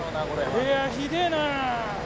いやひでえな！